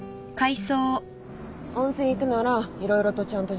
温泉行くなら色々とちゃんと準備しときなよ